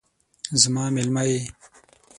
زما میلمه یې